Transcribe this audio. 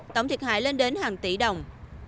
tổng thiệt hại lên đến hàng tỷ đồng